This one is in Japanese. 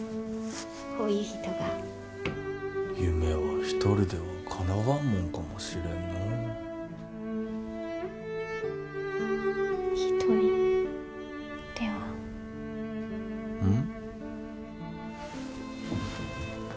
ほういう人が夢は一人ではかなわんもんかもしれんのう一人ではうん？